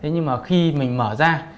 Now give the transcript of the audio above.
nhưng khi mình mở ra